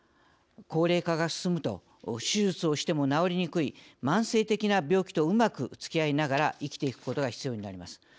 高齢化が進むと手術をしても治りにくい慢性的な病気とうまくつきあいながら生きていくことが必要になります。